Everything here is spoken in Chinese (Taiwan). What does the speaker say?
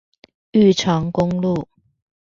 玉長公路